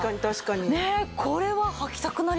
これは履きたくなりますね。